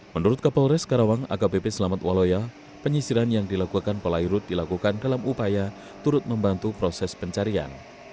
menurut kapal polres karawang aga bebe selamat waloya penyisiran yang dilakukan polairut dilakukan dalam upaya turut membantu proses pencarian